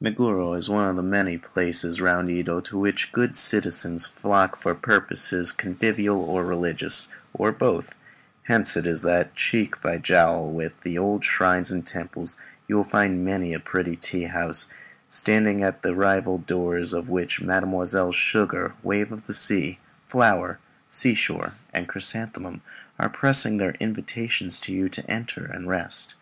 Meguro is one of the many places round Yedo to which the good citizens flock for purposes convivial or religious, or both; hence it is that, cheek by jowl with the old shrines and temples, you will find many a pretty tea house, standing at the rival doors of which Mesdemoiselles Sugar, Wave of the Sea, Flower, Seashore, and Chrysanthemum are pressing in their invitations to you to enter and rest.